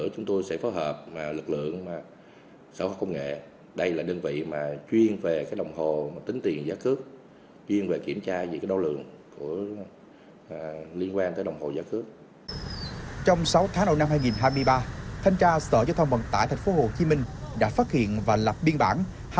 trong sáu tháng đầu năm hai nghìn hai mươi ba thanh tra sở giao thông vận tải tp hcm đã phát hiện và lập biên bản